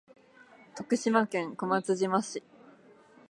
徳島県小松島市